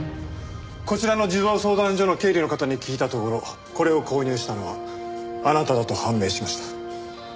こちらの児童相談所の経理の方に聞いたところこれを購入したのはあなただと判明しました。